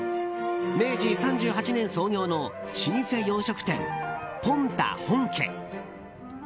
明治３８年創業の老舗洋食店ぽん多本家。